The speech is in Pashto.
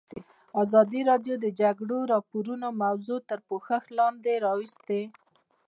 ازادي راډیو د د جګړې راپورونه موضوع تر پوښښ لاندې راوستې.